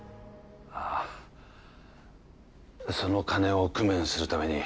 ああその金を工面するために